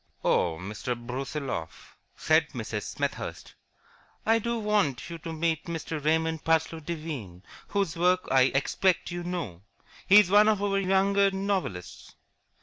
"Oh, Mr. Brusiloff," said Mrs. Smethurst, "I do so want you to meet Mr. Raymond Parsloe Devine, whose work I expect you know. He is one of our younger novelists."